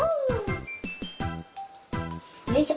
よいしょ。